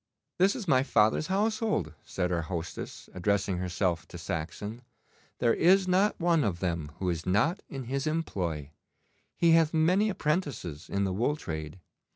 'This is my father's household,' said our hostess, addressing herself to Saxon. 'There is not one of them who is not in his employ. He hath many apprentices in the wool trade.